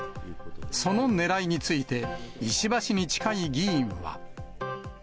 そのねらいについて石破氏に近い議員は。